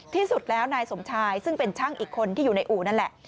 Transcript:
ที่สุดแล้วนายสมชายซึ่งเป็นช่างอีกคนที่อยู่ในอู่นั่นแหละ